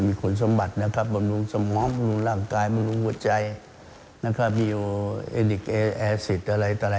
มีความร้อนได้สูงกว่าก็แสดงว่าทำอาหารได้